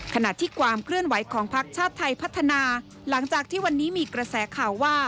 ขณะที่ความเคลื่อนไหวของพักชาติไทยพัฒนาหลังจากที่วันนี้มีกระแสข่าวว่า